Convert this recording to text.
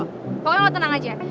pokoknya lo tenang aja